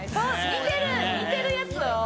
似てる、似てるやつを。